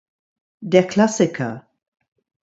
Der Klassiker!